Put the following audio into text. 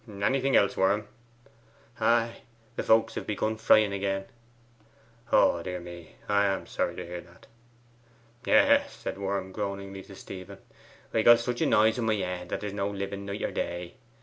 Anything else, Worm?' 'Ay, the folk have begun frying again!' 'Dear me! I'm sorry to hear that.' 'Yes,' Worm said groaningly to Stephen, 'I've got such a noise in my head that there's no living night nor day.